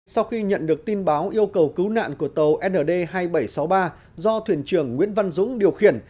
sau khi nhận được tin báo yêu cầu cứu nạn của tàu nd hai nghìn bảy trăm sáu mươi ba do thuyền trưởng nguyễn văn dũng điều khiển